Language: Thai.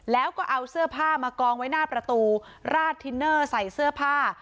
แล้วก็เอาเสื้อผ้ามากองไว้หน้าประตูราดทินเนอร์ใส่เสื้อผ้า